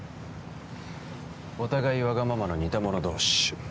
お互いワガママの似た者同士